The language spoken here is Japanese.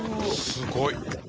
すごい。